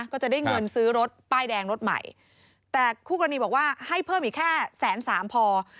ก็จะได้เงินซื้อรถป้ายแดงรถใหม่แต่คู่กรณีบอกว่าให้เพิ่มอีกแค่แสนสามพอ